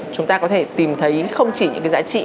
chúng ta có thể tìm thấy không chỉ những cái giá trị